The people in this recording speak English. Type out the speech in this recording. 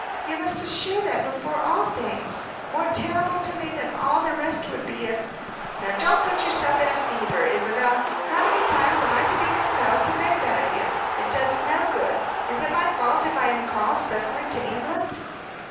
You must assure that, before all things. More terrible to me than all the rest would it be, if " "Now don't put yourself in a fever, Isabel. How many times am I to be compelled to beg that of you! It does no good. Is it my fault, if I am called suddenly to England?"